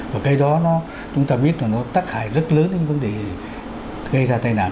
và cái đó nó chúng ta biết là nó tác hại rất lớn đến vấn đề gây ra tai nạn